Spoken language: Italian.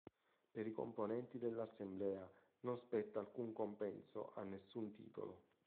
Per i componenti dell'assemblea non spetta alcun compenso a nessun titolo.